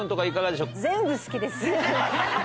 全部好きです。